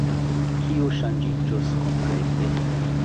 Kio ŝanĝiĝos konkrete?